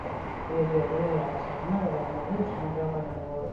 Entrenatzaile aldaketak ez du balio izan taldearen bolada txarrari amaiera emateko.